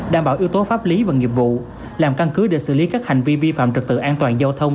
đảm bảo yếu tố pháp lý và nghiệp vụ làm căn cứ để xử lý các hành vi vi phạm trật tự an toàn giao thông